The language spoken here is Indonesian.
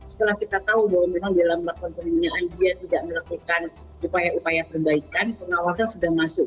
setelah kita tahu bahwa memang dalam melakukan pembinaan dia tidak melakukan upaya upaya perbaikan pengawasan sudah masuk